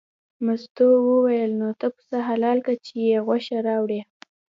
مستو وویل نو ته پسه حلال که چې یې غوښه راوړې.